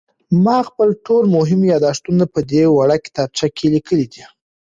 ما خپل ټول مهم یادښتونه په دې وړه کتابچه کې لیکلي دي.